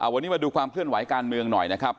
วันนี้มาดูความเคลื่อนไหวการเมืองหน่อยนะครับ